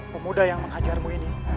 pemuda yang menghajarmu ini